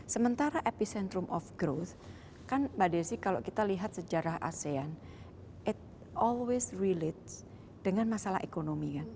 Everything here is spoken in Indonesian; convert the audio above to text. sementara epicentrum of growth kan mbak desi kalau kita lihat sejarah asean it all waste relate dengan masalah ekonomi kan